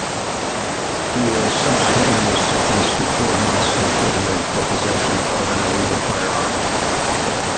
He was subsequently sentenced to four months imprisonment for possession of an illegal firearm.